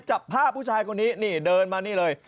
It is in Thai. จับภาพผู้ชายคนนี้นี่เดินมานี่เลย